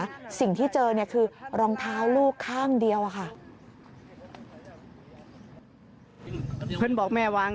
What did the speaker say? แต่สิ่งที่เจอคือรองเท้าลูกข้างเดียวค่ะ